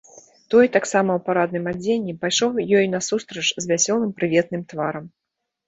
Той, таксама ў парадным адзенні, пайшоў ёй насустрач з вясёлым прыветным тварам.